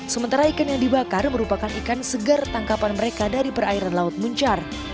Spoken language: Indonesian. sementara ikan yang dibakar merupakan ikan segar tangkapan mereka dari perairan laut muncar